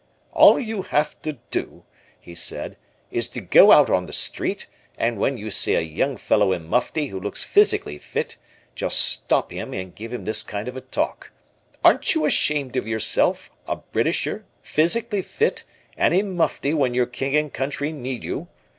"All you have to do," he said, "is to go out on the street, and when you see a young fellow in mufti who looks physically fit, just stop him and give him this kind of a talk: 'Aren't you ashamed of yourself, a Britisher, physically fit, and in mufti when your King and Country need you?